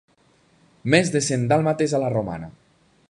Més de cent dàlmates a la romana.